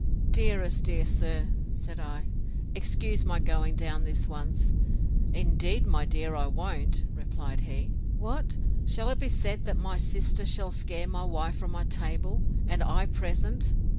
Dearest, dear sir, said I, excuse my going down this once! Indeed, my dear, I won't, replied he. What! shall it be said, that my sister shall scare my wife from my table, and I present?